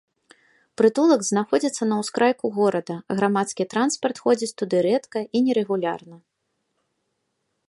Прытулак знаходзіцца на ўскрайку горада, грамадскі транспарт ходзіць туды рэдка і нерэгулярна.